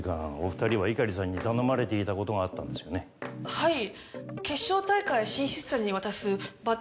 はい。